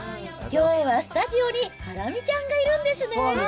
きょうはスタジオにハラミちゃんがいるんですね。